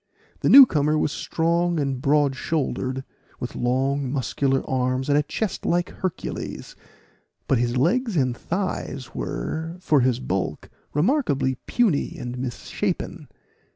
The new comer was strong and broad shouldered, with long muscular arms, and a chest like Hercules; but his legs and thighs were, for his bulk, remarkably puny and misshapen.